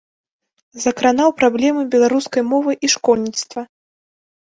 Закранаў праблемы беларускай мовы і школьніцтва.